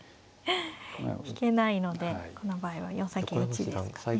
引けないのでこの場合は４三金打ですかね。